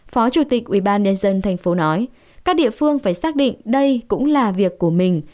phó chủ tịch ubnd tp nói các địa phương phải xác định đây cũng là việc của mình